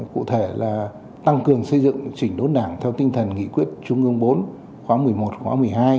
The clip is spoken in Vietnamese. cụ thể là tăng cường xây dựng chỉnh đốn đảng theo tinh thần nghị quyết trung ương bốn khóa một mươi một khóa một mươi hai